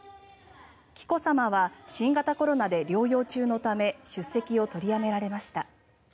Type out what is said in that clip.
紀子さまは新型コロナで療養中のため出席を取りやめられました。